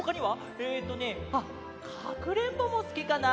えっとねあっかくれんぼもすきかな。